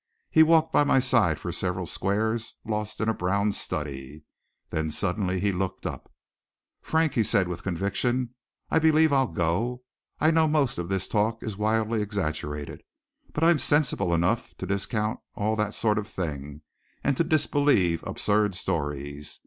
He walked by my side for several squares lost in a brown study. Then suddenly he looked up. "Frank," said he with conviction, "I believe I'll go. I know most of this talk is wildly exaggerated, but I'm sensible enough to discount all that sort of thing and to disbelieve absurd stories.